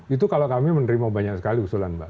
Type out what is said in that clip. itu kalau kami menerima banyak sekali usulan mbak